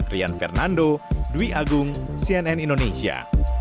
rian fernando dwi agung cnn indonesia